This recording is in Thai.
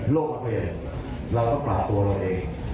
โลกประเภทเราก็ปรับตัวเราเอง